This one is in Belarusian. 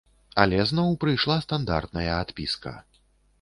Але зноў прыйшла стандартная адпіска.